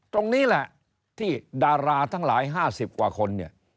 ตรงนี้แหละที่ดาราทั้งหลาย๕๐กว่าคนเนี่ย